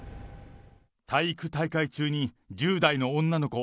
体育大会中に１０代の女の子